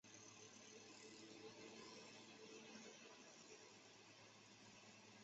指令按顺序从原指令集翻译为目标指令集。